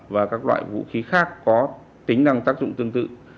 và các loại vũ khí khác có tính năng tác dụng tương tự